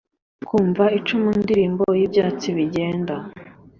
kumva icumundirimbo yibyatsi bigenda